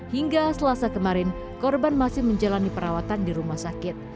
hingga selasa kemarin korban masih menjalani perawatan di rumah sakit